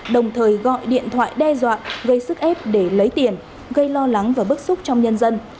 đồng thời gọi điện thoại đe dọa gây sức ép để lấy tiền gây lo lắng và bức xúc trong nhân dân